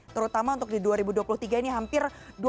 terutama untuk di dua ribu dua puluh tiga ini hampir rp dua puluh lima juta